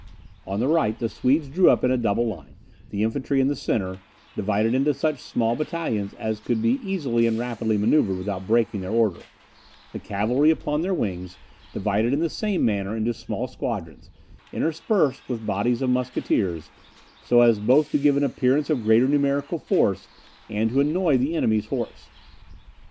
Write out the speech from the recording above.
On the right, the Swedes drew up in a double line, the infantry in the centre, divided into such small battalions as could be easily and rapidly manoeuvred without breaking their order; the cavalry upon their wings, divided in the same manner into small squadrons, interspersed with bodies of musqueteers, so as both to give an appearance of greater numerical force, and to annoy the enemy's horse.